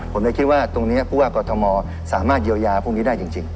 ผมเลยคิดว่าตรงนี้ผู้ว่ากอทมสามารถเยียวยาพวกนี้ได้จริง